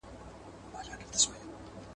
• تر بېکاري، بېگاري ښه ده.